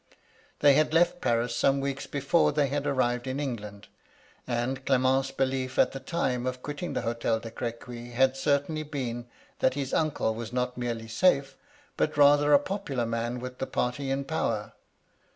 They had left Paris some weeks before they had arrived in England, and Clement's beUef at the time of quitting the H6tel de Crequy had certainly been, that his uncle was not merely safe, but rather a popular man with the party in power.